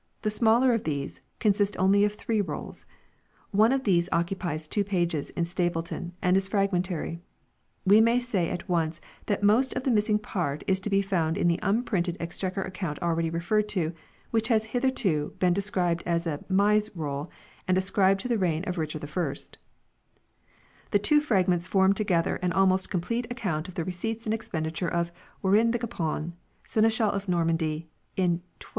The smaller of these, consists of only three rolls. One of these occupies two pages 2 in Stapleton and is fragmentary; we may say at once that most of the missing part is to be found in the unprinted Exchequer Account already referred to 3 which has hitherto been described as a Mise Roll and ascribed to the reign of Richard I ; the two fragments form together an almost complete account of the receipts and expenditure of Warin de Glapion, Seneschal of Normandy, in 1200/1.